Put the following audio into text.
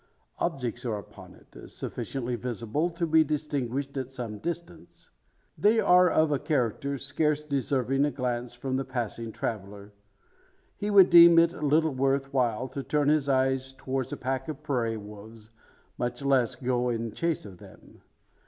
Objects are upon it sufficiently visible to be distinguished at some distance. They are of a character scarce deserving a glance from the passing traveller. He would deem it little worth while to turn his eyes towards a pack of prairie wolves, much less go in chase of them.